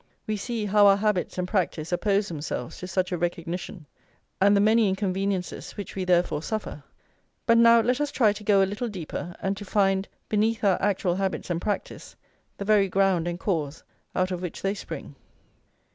We see how our habits and practice oppose themselves to such a recognition, and the many inconveniences which we therefore suffer. But now let us try to go a little deeper, and to find, beneath our actual habits and practice, the very ground and cause out of which they spring.